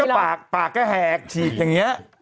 เป็นการกระตุ้นการไหลเวียนของเลือด